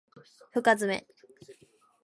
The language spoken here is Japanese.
深爪